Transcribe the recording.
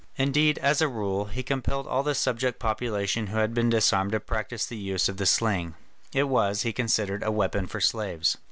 Indeed, as a rule, he compelled all the subject population who had been disarmed to practise the use of the sling: it was, he considered, a weapon for slaves.